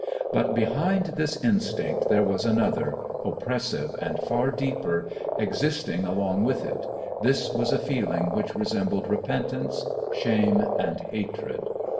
But behind this instiuct there was another, op pressive and far deeper, existing along with it ; this was a feeling which resembled repentance, shame, and hatred.